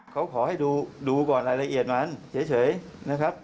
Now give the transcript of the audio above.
เขาขอให้ดูก่อนรายละเอียดมันเฉยนะครับ